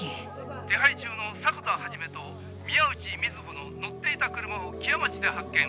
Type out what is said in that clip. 「手配中の迫田肇と宮内美津保の乗っていた車を木屋町で発見。